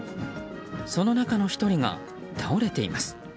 その中の１人が倒れています。